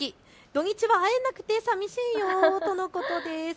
土日は会えなくてさみしいよ、だそうです。